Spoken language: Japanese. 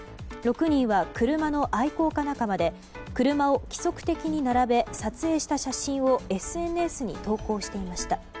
６人は車の愛好家仲間で車を規則的に並べ撮影した写真をＳＮＳに投稿していました。